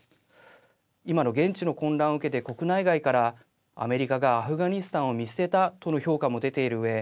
今の現地の混乱を受けて国内外からアメリカがアフガニスタンを見捨てたとの評価も出ているうえ